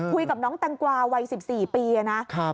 คุยกับน้องแตงกวาวัย๑๔ปีนะ